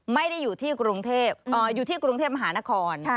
ไม่ได้อยู่ที่กรุงเทพฯมหานคร